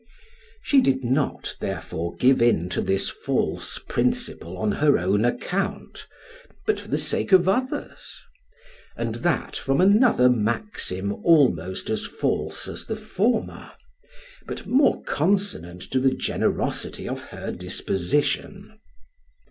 She did not, therefore, give in to this false principle on her own account, but for the sake of others; and that from another maxim almost as false as the former, but more consonant to the generosity of her disposition.